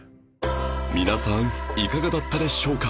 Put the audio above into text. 皆さんいかがだったでしょうか？